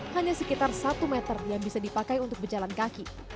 hanya sekitar satu meter yang bisa dipakai untuk berjalan kaki